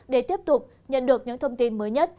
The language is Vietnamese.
để tiếp tục nhận được những thông tin mới nhất